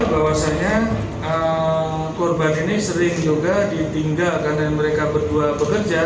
bahwasannya korban ini sering juga ditinggal karena mereka berdua bekerja